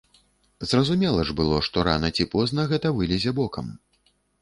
Зразумела ж было, што рана ці позна гэта вылезе бокам.